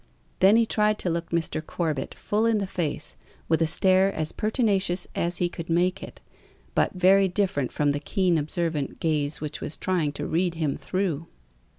Then he tried to look Mr. Corbet full in the face, with a stare as pertinacious as he could make it, but very different from the keen observant gaze which was trying to read him through.